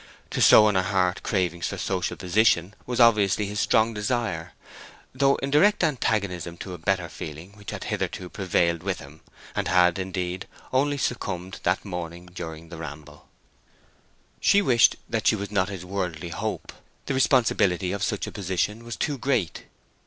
To sow in her heart cravings for social position was obviously his strong desire, though in direct antagonism to a better feeling which had hitherto prevailed with him, and had, indeed, only succumbed that morning during the ramble. She wished that she was not his worldly hope; the responsibility of such a position was too great.